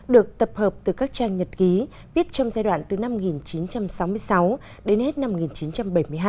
được tập hợp từ các trang nhật ký viết trong giai đoạn từ năm một nghìn chín trăm sáu mươi sáu đến hết năm một nghìn chín trăm bảy mươi hai